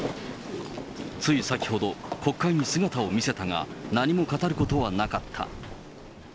つい先ほど、国会に姿を見せたが、何も語ることはなかった。